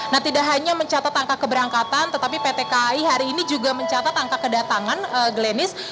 nah tidak hanya mencatat angka keberangkatan tetapi pt kai hari ini juga mencatat angka kedatangan glenis